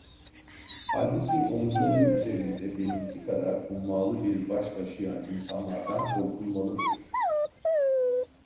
Halbuki omuzları üzerinde benimki kadar hummalı bir baş taşıyan insanlardan korkulmalıdır…